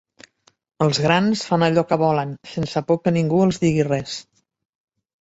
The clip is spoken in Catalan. Els grans fan allò que volen, sense por que ningú els digui res.